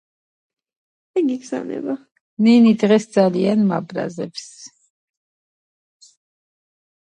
საბჭოთა კავშირის პირველი ჩემპიონი ბერძნულ-რომაულ ჭიდაობაში.